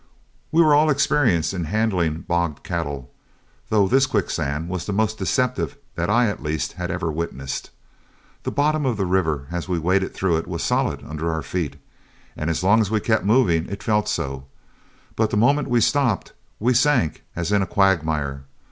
We were all experienced in handling bogged cattle, though this quicksand was the most deceptive that I, at least, had ever witnessed. The bottom of the river as we waded through it was solid under our feet, and as long as we kept moving it felt so, but the moment we stopped we sank as in a quagmire.